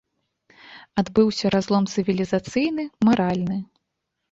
Адбыўся разлом цывілізацыйны, маральны.